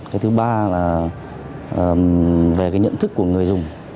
cái thứ ba là về cái nhận thức của người dùng